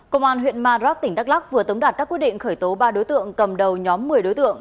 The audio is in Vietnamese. cơ quan huyện ma rắc tỉnh đắk lắc vừa tống đạt các quyết định khởi tố ba đối tượng cầm đầu nhóm một mươi đối tượng